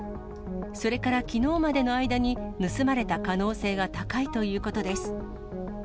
それからきのうまでの間に、盗まれた可能性が高いということです。